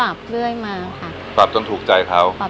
แล้วก็ปรับเรื่อยมาค่ะสักพักทรงถูกใจเขา